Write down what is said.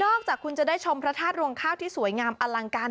จากคุณจะได้ชมพระธาตุรวงข้าวที่สวยงามอลังการ